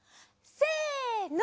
せの！